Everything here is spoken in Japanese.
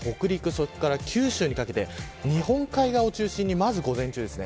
それから九州にかけて日本海側を中心にまず午前中です。